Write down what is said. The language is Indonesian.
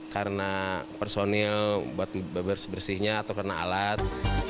karena personil buat bersihnya atau karena alat